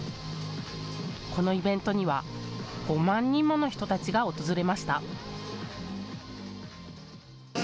このイベントには５万人もの人たちが訪れました。